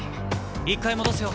一回戻すよ。